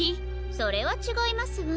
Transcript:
それはちがいますわ。